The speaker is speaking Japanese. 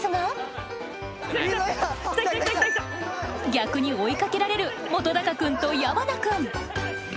逆に追いかけられる本君と矢花君。